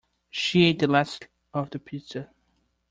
She ate the last of the pizza